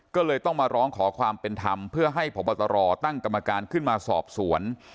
ก็เลยต้องมาร้องขอความเป็นธรรมเพื่อให้พบตรตั้งกรรมการขึ้นมาสอบสวน